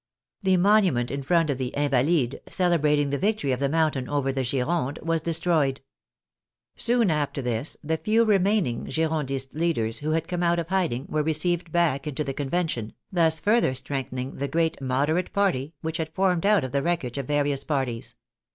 The monument in front of the " Invalides," celebrating the victory of the Mountain over the Gironde, was destroyed. Soon after this the few remaining Giron dist leaders who had come out of hiding were received back into the Convention, thus further strengthening the great " moderate party " which had formed out of the wreckage of various parties.